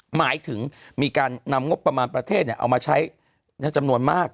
หมายถึงมีการนำงบประมาณประเทศเอามาใช้จำนวนมาก